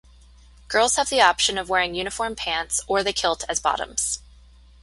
Girls have the option of wearing uniform pants or the kilt as bottoms.